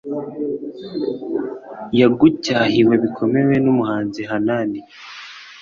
yagucyahiwe bikomeye numuhanuzi Hanani